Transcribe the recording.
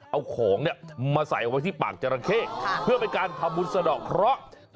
เอาของมาใส่เอาไว้ที่ปากจราเข้เพื่อเป็นการทำบุญสะดอกเคราะห์